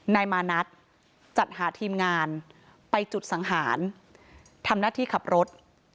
นายมานัดจัดหาทีมงานไปจุดสังหารทำหน้าที่ขับรถ